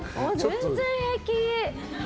全然平気！